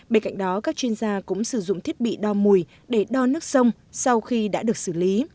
bên cạnh đó các chuyên gia cũng sử dụng thiết bị đo mùi để đo nước sông sau khi đã được xử lý